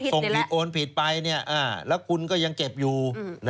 ส่งผิดโอนผิดไปแล้วคุณก็ยังเก็บอยู่